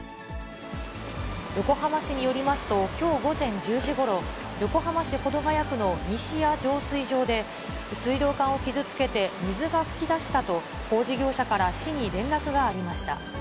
横浜市によりますと、きょう午前１０時ごろ、横浜市保土ケ谷区の西谷浄水場で、水道管を傷つけて、水が噴き出したと、工事業者から市に連絡がありました。